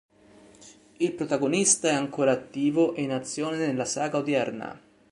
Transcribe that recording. Il protagonista è ancora attivo e in azione nella saga odierna.